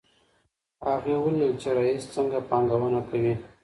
هغې ولیدل چې رییس څنګه پانګونه کوي.